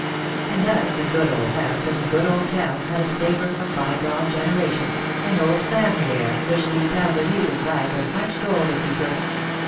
And thus the good old house in the good old town had a savour of bygone generations, an old family air which the parvenu would buy for much gold if he could.